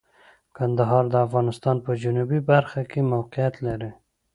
کندهار د افغانستان په جنوبی برخه کې موقعیت لري.